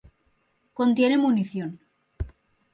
Contiene munición.